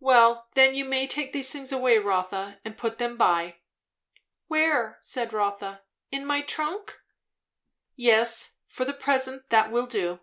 Well, then you may take these things away, Rotha, and put them by." "Where?" said Rotha. "In my trunk?" "Yes, for the present That will do."